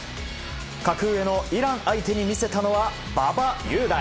格上のイラン相手に見せたのは馬場雄大。